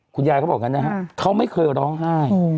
คุณยายเขาบอกกันนะครับเขาไม่เคยร้องไห้